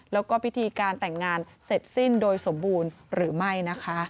แล้วก็พิธีการแต่งงานเสร็จสิ้นโดยสมบูรณ์หรือไม่นะคะ